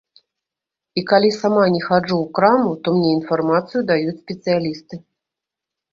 І калі сама не хаджу ў краму, то мне інфармацыю даюць спецыялісты.